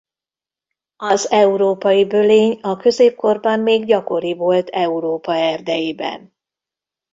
Az európai bölény a középkorban még gyakori volt Európa erdeiben.